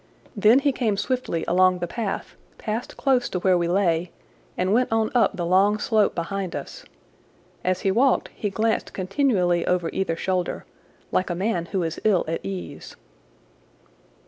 Then he came swiftly along the path, passed close to where we lay, and went on up the long slope behind us. As he walked he glanced continually over either shoulder, like a man who is ill at ease.